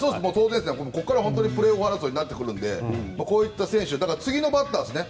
ここからプレーオフ争いになっていくので次のバッターですね。